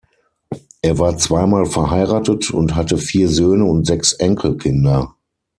Er war zweimal verheiratet und hatte vier Söhne und sechs Enkelkinder.